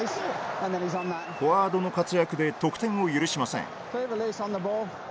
フォワードの活躍で得点を許しません